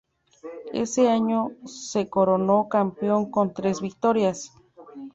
Ese año se coronó campeón con tres victorias.